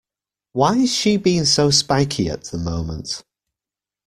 Why's she being so spiky at the moment?